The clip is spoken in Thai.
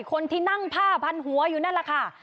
คนที่นั่งผ้าพันหัวอยู่นั่นแหละค่ะ